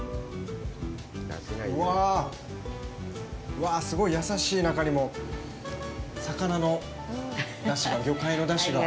うわっ、すごい優しい中にも魚の出汁が、魚介の出汁が。